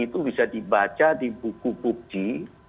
itu bisa dibaca di buku buku